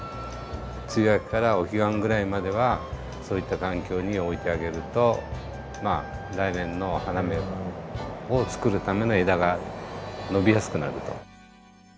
梅雨明けからお彼岸ぐらいまではそういった環境に置いてあげると来年の花芽をつくるための枝が伸びやすくなると。